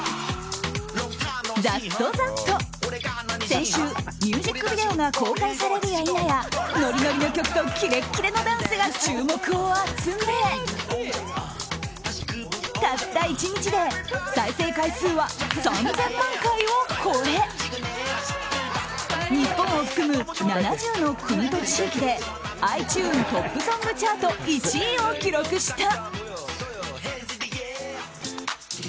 先週、ミュージックビデオが公開されるやいなやノリノリの曲とキレッキレのダンスが注目を集めたった１日で再生回数は３０００万回を超え日本を含む７０の国と地域でｉＴｕｎｅｓトップソングチャート１位を記録した。